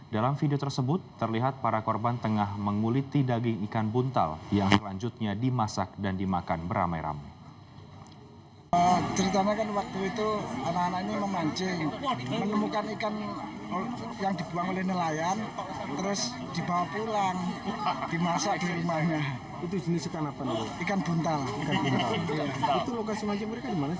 dalam video tersebut terlihat para korban tengah menguliti daging ikan buntal yang selanjutnya dimasak dan dimakan beramai ramai